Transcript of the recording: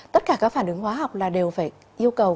tất cả các phản ứng hóa học là đều phải yêu cầu